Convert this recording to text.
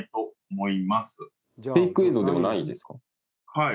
はい。